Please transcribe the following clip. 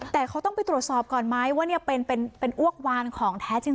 แต่เขาต้องไปตรวจสอบก่อนไหมว่าเป็นอ้วกวานของแท้จริง